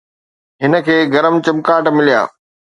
هن کي گرم چمڪاٽ مليا